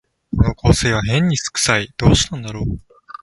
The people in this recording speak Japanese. この香水はへんに酢くさい、どうしたんだろう